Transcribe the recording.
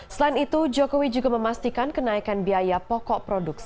selain itu jokowi juga memastikan kenaikan biaya pokok